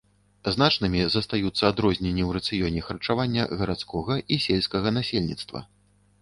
Значнымі застаюцца адрозненні ў рацыёне харчавання гарадскога і сельскага насельніцтва.